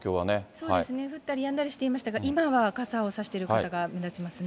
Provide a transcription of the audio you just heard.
そうですね、降ったりやんだりしていましたが、今は傘を差している方が目立ちますね。